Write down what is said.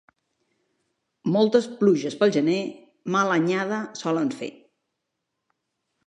Moltes pluges pel gener, mala anyada solen fer.